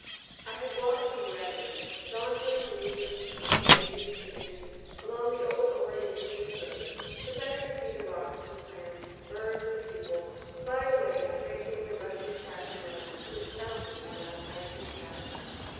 I had walked from Redding, sauntering leisurely from station to station along the old Oregon stage road, the better to see the rocks and plants, birds and people, by the way, tracing the rushing Sacramento to its fountains around icy Shasta.